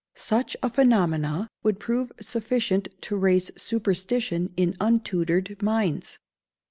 Such a phenomena would prove sufficient to raise superstition in untutored minds.